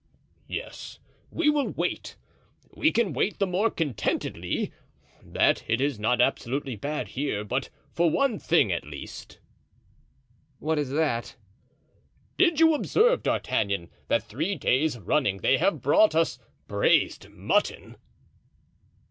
"Yes, we will wait. We can wait the more contentedly, that it is not absolutely bad here, but for one thing, at least." "What is that?" "Did you observe, D'Artagnan, that three days running they have brought us braised mutton?"